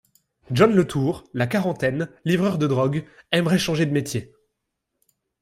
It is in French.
John LeTour, la quarantaine, livreur de drogue, aimerait changer de métier.